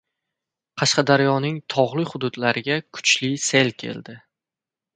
Qashqadaryoning tog‘li hududlariga kuchli sel keldi